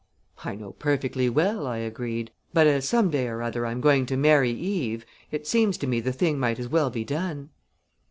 "I know perfectly well," I agreed; "but, as some day or other I'm going to marry Eve, it seems to me the thing might as well be done."